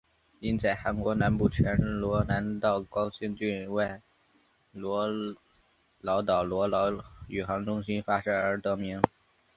因在韩国南部全罗南道高兴郡外罗老岛罗老宇航中心发射而得名。